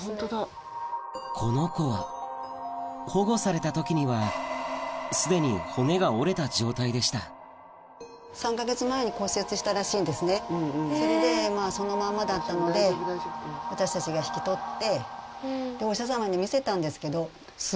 この子は保護された時にはすでに骨が折れた状態でしたそれでそのままだったので私たちが引き取って。